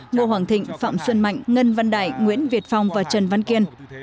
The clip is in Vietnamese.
ngô hoàng thịnh phạm xuân mạnh ngân văn đại nguyễn việt phong và trần văn kiên